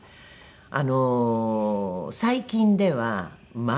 あの最近では万座。